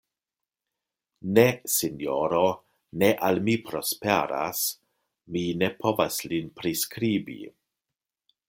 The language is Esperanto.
Ne, sinjoro, ne al mi prosperas, mi ne povas lin priskribi.